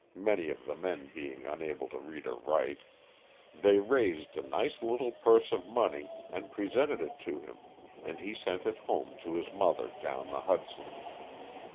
(many of the men being unable to read or write), they raised a nice little purse of money and presented it to him, and he sent it home to his mother down the Hudson.